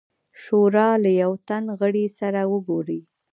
شورا له یوه تن غړي سره وګوري.